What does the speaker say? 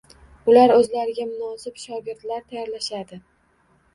Ular o‘zlariga munosib shogirdlar tayyorlashadi.